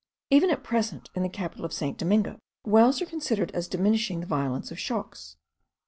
Even at present, in the capital of St. Domingo, wells are considered as diminishing the violence of the shocks.